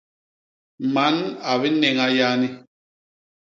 Man a binéña yani.